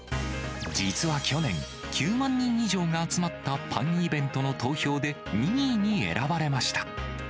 実は去年、９万人以上が集まったパンイベントの投票で２位に選ばれました。